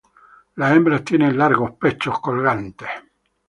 Las hembras tienen "largos, pechos colgantes.